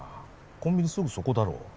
コンビニすぐそこだろ？